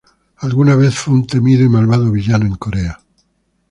El alguna vez fue un temido y malvado villano en Corea.